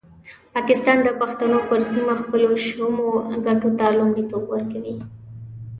پاکستان د پښتنو پر سیمه خپلو شومو ګټو ته لومړیتوب ورکوي.